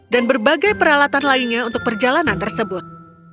dan dia memakai peralatan lainnya untuk perjalanan tersebut